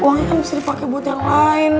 uangnya kan mesti dipake buat yang lain